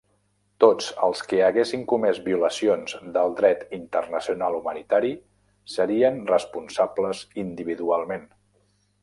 Tots els que haguessin comés violacions del dret internacional humanitari serien responsables individualment.